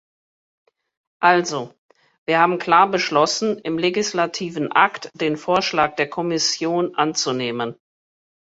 Also, wir haben klar beschlossen, im legislativen Akt den Vorschlag der Kommission anzunehmen.